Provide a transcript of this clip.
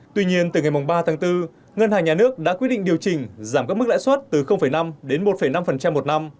tuy nhiên từ ngày ba tháng bốn ngân hàng nhà nước đã quyết định điều chỉnh giảm các mức lãi suất từ năm đến một năm một năm